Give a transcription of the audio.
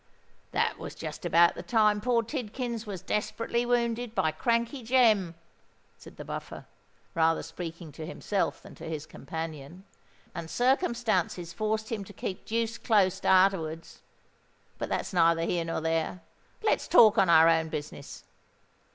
"That was just about the time poor Tidkins was desperately wounded by Crankey Jem," said the Buffer, rather speaking to himself than to his companion; "and circumstances forced him to keep deuced close arterwards. But that's neither here nor there: let's talk on our own business.